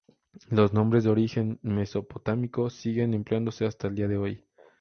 Los nombres de origen mesopotámico siguen empleándose hasta el día de hoy.